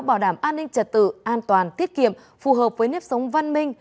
bảo đảm an ninh trật tự an toàn tiết kiệm phù hợp với nếp sống văn minh